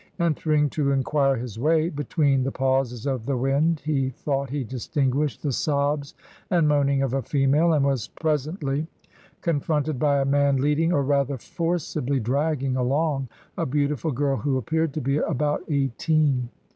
Entering to inquire his way, ''between the pauses of the wind he thought he distinguished the sobs and moaning of a female," and was presently con fronted by a man "leading, or rather, forcibly dragging along a beautiful girl who appeared to be about eigh teen.